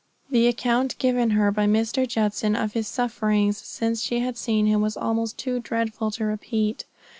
The account given her by Mr. Judson of his sufferings since she had seen him was almost too dreadful to repeat.